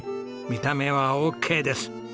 見た目はオーケーです。